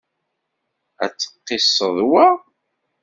Ad tqised wa?